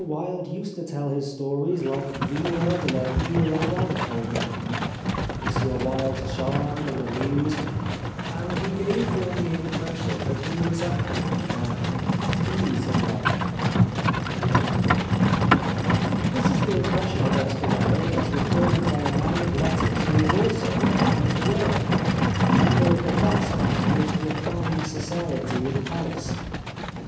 Wilde used to tell his stories hke Vilhers de ITsle Adam told them. ... M. Wilde charmed and amused, and he gave one the 287 The Life of Oscar Wilde impression that he was a happy man — at ease in hfe." This is the impression of Oscar Wilde as re corded by a man of letters who is also a man of the world, member of the best and most re fined society in Paris.